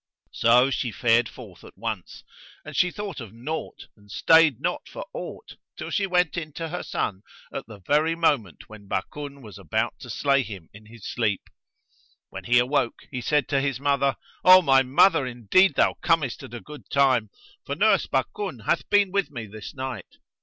So she fared forth at once, and she thought of naught and stayed not for aught till she went in to her son at the very moment when Bakun was about to slay him in his sleep. When he awoke, he said to his mother, "O my mother, indeed thou comest at a good time, for nurse Bakun hath been with me this night."